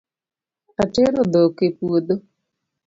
Atero dhok e puodho